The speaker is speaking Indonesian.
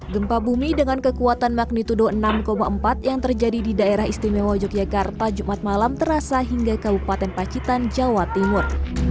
gempa bumi dengan kekuatan magnitudo enam empat yang terjadi di daerah istimewa yogyakarta jumat malam terasa hingga kabupaten pacitan jawa timur